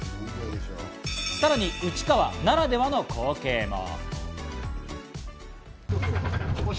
さらに内川ならではの光景も。